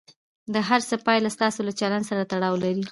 د هر څه پایله ستاسو له چلند سره تړاو لري.